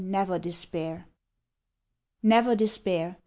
never despair. Never despair!